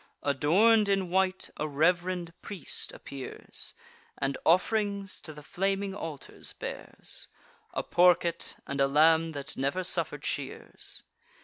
Adorn'd in white, a rev'rend priest appears, And off'rings to the flaming altars bears; A porket, and a lamb that never suffer'd shears.